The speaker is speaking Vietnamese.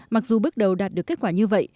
mặc dù bước đầu đạt được kết quả như vậy